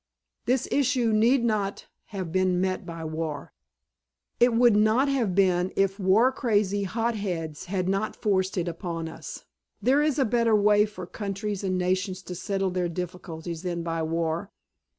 "This issue need not have been met by war. It would not have been if war crazy hot heads had not forced it upon us. There is a better way for countries and nations to settle their difficulties than by war.